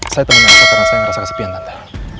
saya teman elsa karena saya ngerasa kesepian tante